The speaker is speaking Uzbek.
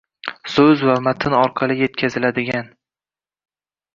so‘z va matn orqali yetkaziladigan